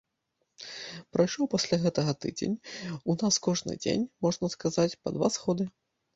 Прайшоў пасля гэтага тыдзень, у нас кожны дзень, можна сказаць, па два сходы.